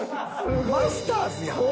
マスターズやん。